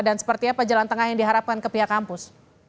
dan seperti apa jalan tengah yang diharapkan ke pihak kampus